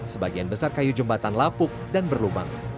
sebagian besar kayu jembatan lapuk dan berlubang